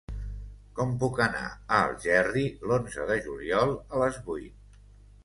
Com puc anar a Algerri l'onze de juliol a les vuit?